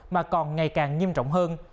mà còn ngày càng nghiêm trọng hơn